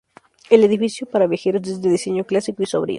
El edificio para viajeros es de diseño clásico y sobrio.